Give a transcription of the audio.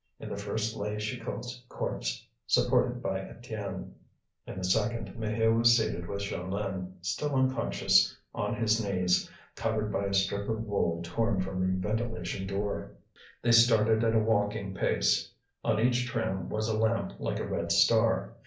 In the first lay Chicot's corpse, supported by Étienne; in the second, Maheu was seated with Jeanlin, still unconscious, on his knees, covered by a strip of wool torn from the ventilation door. They started at a walking pace. On each tram was a lamp like a red star.